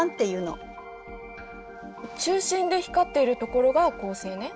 中心で光っているところが恒星ね。